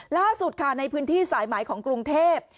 ล่าสุดค่ะในพื้นที่สายไหมของกรุงเทพ